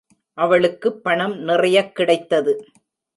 அவளுக்குப் பணம் நிறையக் கிடைத்தது.